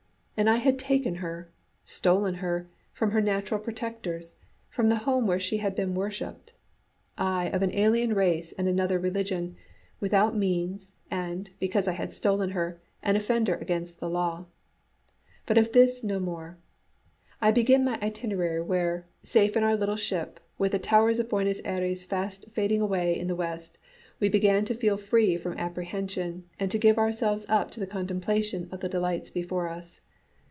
And I had taken her stolen her from her natural protectors, from the home where she had been worshipped I of an alien race and another religion, without means, and, because I had stolen her, an offender against the law. But of this no more. I begin my itinerary where, safe on our little ship, with the towers of Buenos Ayres fast fading away in the west, we began to feel free from apprehension and to give ourselves up to the contemplation of the delights before us.